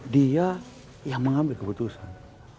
dia yang mengambil keputusan